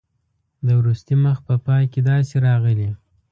د وروستي مخ په پای کې داسې راغلي.